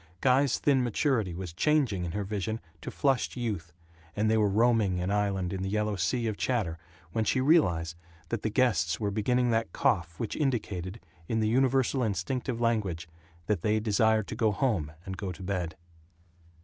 Guy's thin maturity was changing in her vision to flushed youth and they were roaming an island in the yellow sea of chatter when she realized that the guests were beginning that cough which indicated, in the universal instinctive language, that they desired to go home and go to bed.